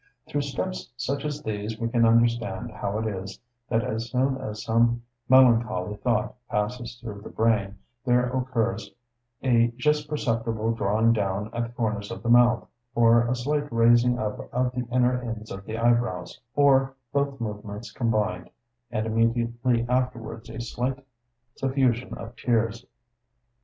Through steps such as these we can understand how it is, that as soon as some melancholy thought passes through the brain, there occurs a just perceptible drawing down of the corners of the mouth, or a slight raising up of the inner ends of the eyebrows, or both movements combined, and immediately afterwards a slight suffusion of tears.